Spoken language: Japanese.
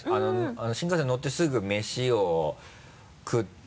新幹線乗ってすぐメシを食って。